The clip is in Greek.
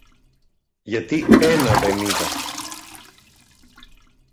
Γιατί ένα δεν είδα